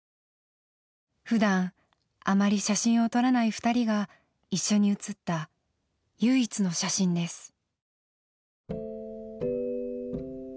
ふだんあまり写真を撮らない二人が一緒に写った唯一の写真です。